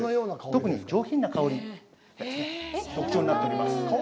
特に上品な香りが特徴になっています。